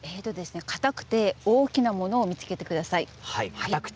かたくて大きなものを見つけてください。